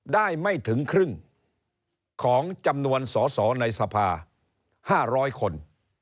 ได้ไม่ถึงครึ่งของจำนวนสอสอในสภา๕๐๐คน